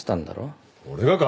俺がか？